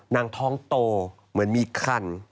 ท้องโตเหมือนมีคัน